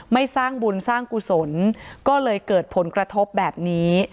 สร้างบุญสร้างกุศลก็เลยเกิดผลกระทบแบบนี้